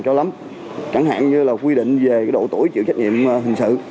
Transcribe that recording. chẳng hạn như là quy định về độ tuổi chịu trách nhiệm hình sự